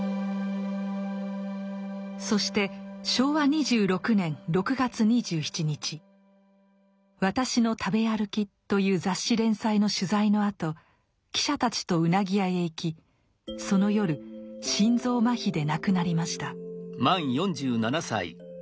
そして昭和２６年６月２７日「私の食べあるき」という雑誌連載の取材のあと記者たちとうなぎ屋へ行きその夜心臓麻痺で亡くなりました。